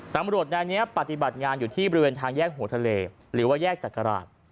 ตำรวจนายนี้ปฏิบัติงานอยู่ที่บริเวณทางแยกหัวทะเลหรือว่าแยกจักราช